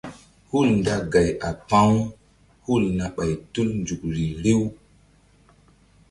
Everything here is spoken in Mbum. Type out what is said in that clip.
Hul nda gay a pa̧ u hul na ɓay tul nzukri riw.